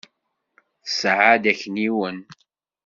Tesεa-d akniwen.